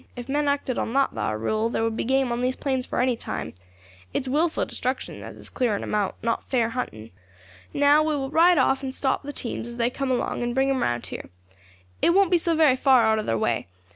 If men acted on that thar rule there would be game on these plains for any time; it's wilful destruction as is clearing 'em out, not fair hunting. "Now we will ride off and stop the teams as they come along and bring 'em round here. It won't be so very far out of thar way.